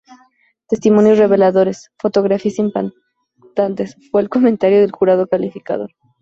Testimonios reveladores; fotografías impactantes", fue el comentario del jurado calificador.